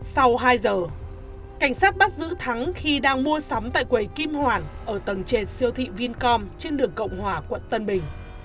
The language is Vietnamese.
sau hai giờ cảnh sát bắt giữ thắng khi đang mua sắm tại quầy kim hoàn ở tầng trệt siêu thị vincom trên đường cộng hòa quận tân bình